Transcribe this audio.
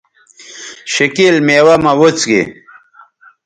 شِکِیل میوہ مہ وڅکیئ